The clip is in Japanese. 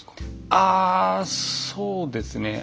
あそうですね